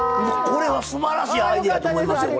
これはすばらしいアイデアやと思いますよ！